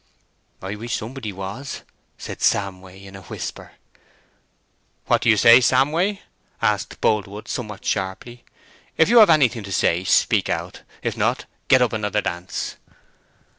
"I wish somebody was," said Samway, in a whisper. "What do you say, Samway?" asked Boldwood, somewhat sharply. "If you have anything to say, speak out; if not, get up another dance."